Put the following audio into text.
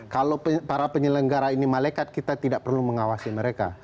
kalau para penyelenggara ini malekat kita tidak perlu mengawasi mereka